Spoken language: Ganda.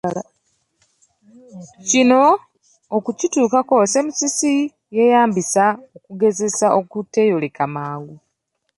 Kino okukituukako Semusisi yeeyambisa okugezesa okuteeyoleka mangu.